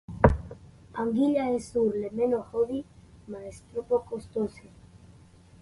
Anguilla es sur le menu hodie, ma es troppo costose.